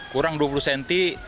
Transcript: kurang dua puluh cm